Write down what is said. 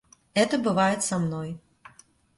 Это бывает со мной.